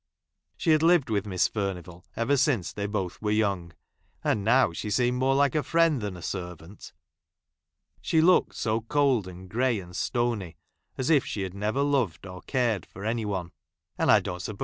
She had lived with 1 Miss Furnivall ever since they both were j young, and now she seemed more like a friend 1 than a servant ; she looked so cold and grey, ■ and stony, as if she had never loved or cared for any one ; and I don't suppo.